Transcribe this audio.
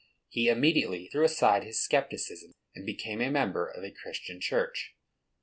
He immediately threw aside his scepticism, and became a member of a Christian church.